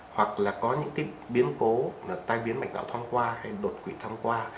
hoặc là có những biến cố tai biến mạch não thong qua hay đột quỵ thong qua